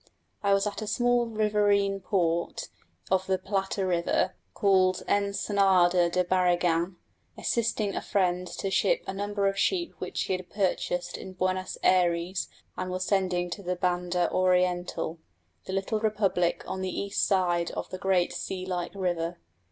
I was at a small riverine port of the Plata river, called Ensenada de Barragán, assisting a friend to ship a number of sheep which he had purchased in Buenos Ayres and was sending to the Banda Oriental the little republic on the east side of the great sea like river.